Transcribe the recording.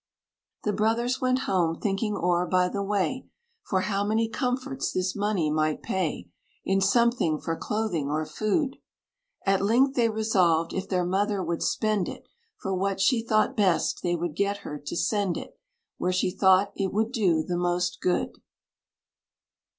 The brothers went home, thinking o'er by the way, For how many comforts this money might pay, In something for clothing or food: At length they resolved, if their mother would spend it, For what she thought best, they would get her to send it Where she thought it would do the most good.